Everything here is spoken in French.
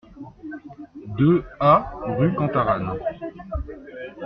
deux A rue Cantarane